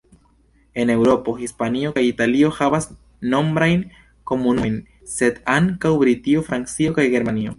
En Eŭropo, Hispanio kaj Italio havas nombrajn komunumojn sed ankaŭ Britio, Francio kaj Germanio.